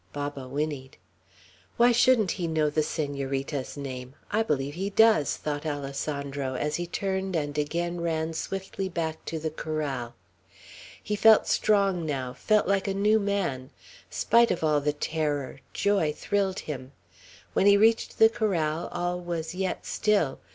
Baba whinnied. "Why shouldn't he know the Senorita's name! I believe he does!" thought Alessandro, as he turned and again ran swiftly back to the corral. He felt strong now, felt like a new man. Spite of all the terror, joy thrilled him. When he reached the corral, all was yet still.